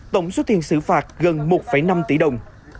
tổng số tiền xử phạt gần một năm tỷ đồng